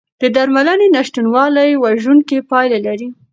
د درملنې نشتوالی وژونکي پایلې لري.